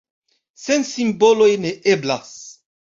Sen simboloj ne eblas.